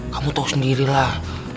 kamu tau sendiri lah